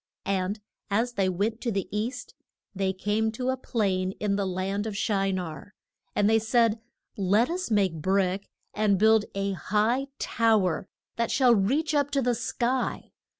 And as they went to the east they came to a plain in the land of Shi nar. And they said, Let us make brick and build a high tow er that shall reach up to the sky.